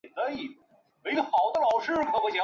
我们还在，但也快结束了